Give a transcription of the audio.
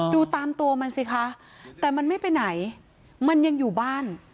ดูตามตัวมันสิคะแต่มันไม่ไปไหนมันยังอยู่บ้าน